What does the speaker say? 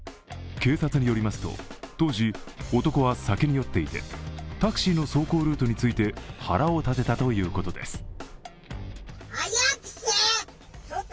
警察によりますと当時、男は酒に酔っていてタクシーの走行ルートについて、腹を立てたということです。